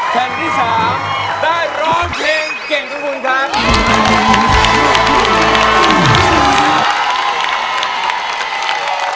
แผ่นที่สามได้ร้องเพลงเก่งทุกคนค่ะ